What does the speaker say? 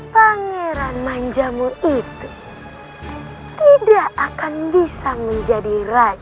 pangeran menjamur itu tidak akan bisa menjadi raja